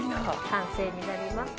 完成になります。